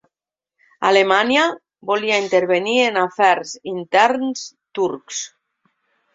Alemanya volia intervenir en afers interns turcs